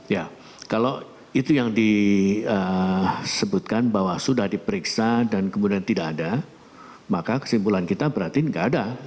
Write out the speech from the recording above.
ya kalau itu yang disebutkan bahwa sudah diperiksa dan kemudian tidak ada maka kesimpulan kita berarti tidak ada